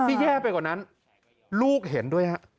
ที่แย่ไปกว่านั้นลูกเห็นด้วยครับ